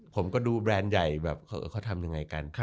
ผมก็ดูแบรนด์ใหญ่แบบเขาทำยังไงกัน